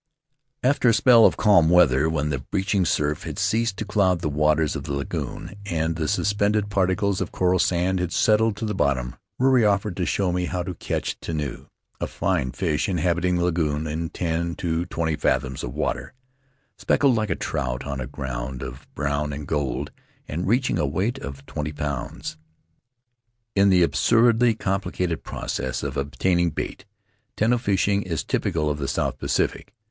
"After a spell of calm weather, when the breaching surf had ceased to cloud the waters of the lagoon, and the suspended particles of coral sand had settled to the bottom, Ruri offered to show me how to catch tenu — a fine fish, inhabiting the lagoon in ten to twenty fathoms of water — speckled like a trout on a ground of brown and gold, and reaching a weight of twenty pounds. "In the absurdly complicated process of obtaining bait, tenu fishing is typical of the South Pacific.